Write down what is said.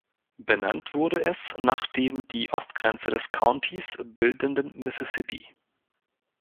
Benannt wurde es nach dem die Ostgrenze des Countys bildenden Mississippi.